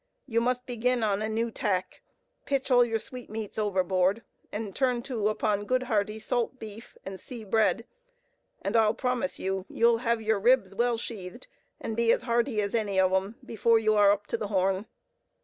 You must begin on a new tack—pitch all your sweetmeats overboard, and turn to upon good hearty salt beef and sea bread, and I'll promise you, you'll have your ribs well sheathed, and be as hearty as any of 'em, afore you are up to the Horn."